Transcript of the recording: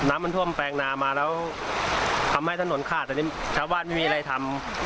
น้ำมันท่วมแปลงนามาแล้วทำให้ถนนขาดตอนนี้ชาวบ้านไม่มีอะไรทำ